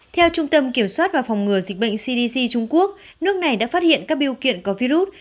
theo trung tâm kiểm soát và phòng ngừa dịch bệnh cdc trung quốc nước này đã phát hiện các biêu kiện có virus